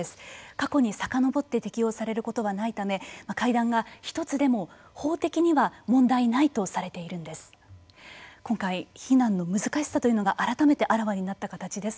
過去にさかのぼって適用されることはないため階段が１つでも法的には問題ないとされているんです。